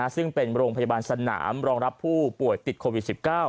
ซึ่งเป็นโรงพยาบาลสนามรองรับผู้ป่วยติดโควิด๑๙